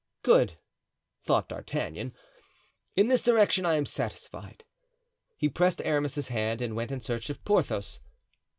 "Good!" thought D'Artagnan: "in this direction I am satisfied." He pressed Aramis's hand and went in search of Porthos.